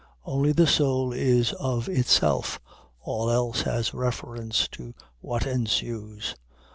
Only the soul is of itself all else has reference to what ensues.